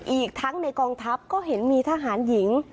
อีกทั้งในกองทัพก็เห็นมีทหารหญิง